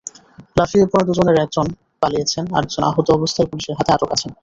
লাফিয়ে পড়া দুজনের একজন পালিয়েছেন, আরেকজন আহত অবস্থায় পুলিশের হাতে আটক আছেন।